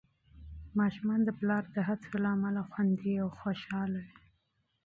ماشومان د پلار د هڅو له امله خوندي او خوشحال وي.